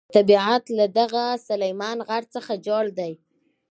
طبیعت له دغه سلیمان غر څخه جوړ دی.